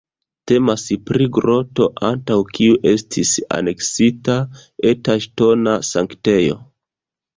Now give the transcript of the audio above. Temas pri groto antaŭ kiu estis aneksita eta ŝtona sanktejo.